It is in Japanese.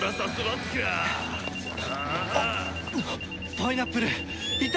パイナップルいた！